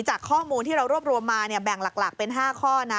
จากข้อมูลที่เรารวบรวมมาแบ่งหลักเป็น๕ข้อนะ